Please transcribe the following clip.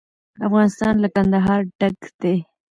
افغانستان له کندهار ډک دی.